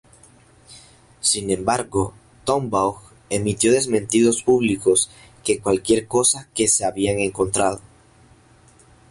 Sin embargo, Tombaugh emitió desmentidos públicos que cualquier cosa que se habían encontrado.